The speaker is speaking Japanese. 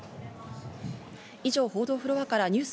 以上、報道フロアからニュー